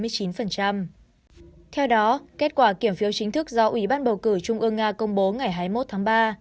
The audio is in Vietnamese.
theo đó kết quả kiểm phiếu chính thức do ủy ban bầu cử trung ương nga công bố ngày hai mươi một tháng ba